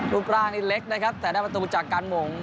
รูปร่างนี่เล็กนะครับแต่ได้ประตูจากการหม่ง